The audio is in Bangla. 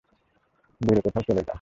দূরে কোথাও চলে যা।